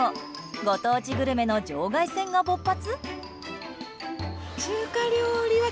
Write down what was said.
ご当地グルメの場外戦が勃発？